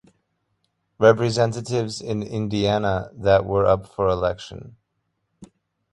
Representatives in Indiana that were up for election.